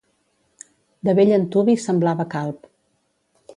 De bell antuvi semblava calb.